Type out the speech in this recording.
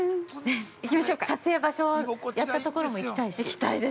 ◆撮影場所、やったところも行きたいし。